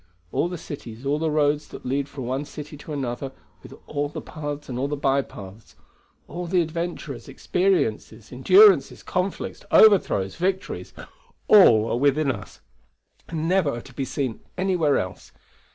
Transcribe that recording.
All the cities, all the roads that lead from one city to another, with all the paths and all the by paths, all the adventures, experiences, endurances, conflicts, overthrows, victories, all are within us and never are to be seen anywhere else.